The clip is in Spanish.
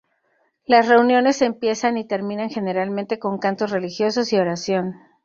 Las reuniones empiezan y terminan generalmente con cantos religiosos y oración.